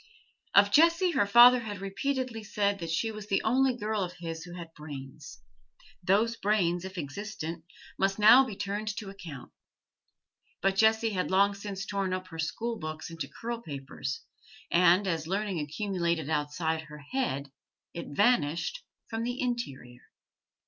Of Jessie her father had repeatedly said that she was the only girl of his who had brains; those brains, if existent, must now be turned to account. But Jessie had long since torn up her school books into curl papers, and, as learning accumulated outside her head, it vanished from the interior.